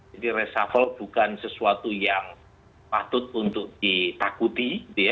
jadi reshuffle bukan sesuatu yang patut untuk ditakuti